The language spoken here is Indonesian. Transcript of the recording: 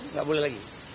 nggak boleh lagi